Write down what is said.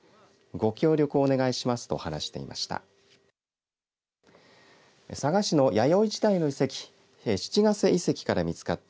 ご協力をお願いしますと話していました。